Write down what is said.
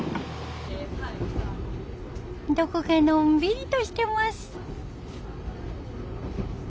どこかのんびりとしてます。